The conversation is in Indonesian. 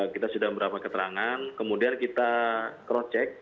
kita sudah beberapa keterangan kemudian kita krocek